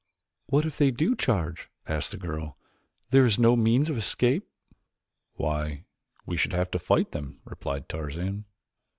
"What if they do charge?" asked the girl; "there is no means of escape." "Why, we should have to fight them," replied Tarzan.